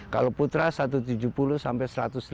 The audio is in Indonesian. kalau putra satu ratus tujuh puluh sampai satu ratus delapan puluh